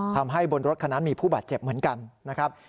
ทำให้บนรถคันนั้นมีผู้บาดเจ็บเหมือนกันนะครับ